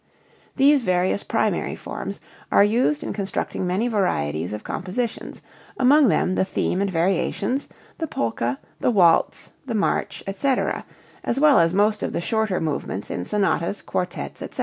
These various primary forms are used in constructing many varieties of compositions, among them the theme and variations, the polka, the waltz, the march, etc., as well as most of the shorter movements in sonatas, quartets, etc.